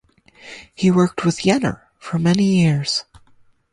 He worked with Yener for many years.